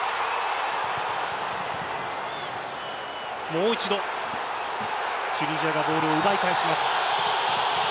もう一度チュニジアがボールを奪い返します。